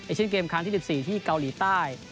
๒๐๐๒เอเชนเกมคาร์ดที่๑๔ที่เกาหลีใต้